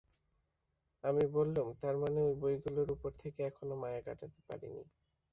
আমি বললুম, তার মানে ঐ বইগুলোর উপর থেকে এখনো মায়া কাটাতে পারি নি।